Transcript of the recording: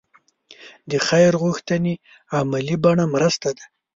د خیر غوښتنې عملي بڼه مرسته ده.